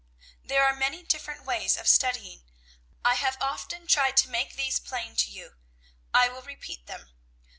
"There are many different ways of studying. I have often tried to make these plain to you. I will repeat them.